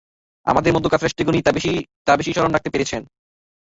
আমাদের মধ্যকার শ্রেষ্ঠ জ্ঞানী তা বেশি স্মরণ রাখতে পেরেছেন।